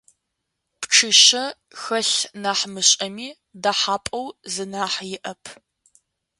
Пчъишъэ хэлъ нахь мышӀэми, дэхьапӀэу зы нахь иӀэп.